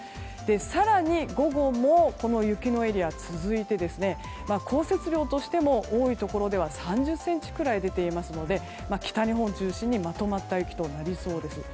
更に、午後もこの雪のエリアが続いて降雪量としても多いところで３０ｃｍくらい出ていますので、北日本を中心にまとまった雪となりそうです。